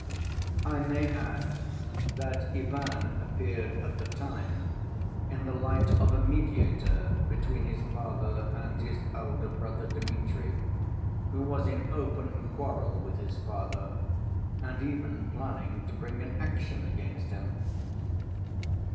I may add that Ivan appeared at the time in the light of a mediator between his father and his elder brother Dmitri, who was in open quarrel with his father and even planning to bring an action against him.